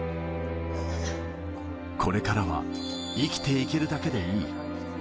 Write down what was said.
これからは生きていけるだけでいい。